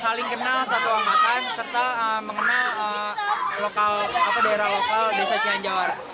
saling kenal satu angkatan serta mengenal daerah lokal desa cianjawar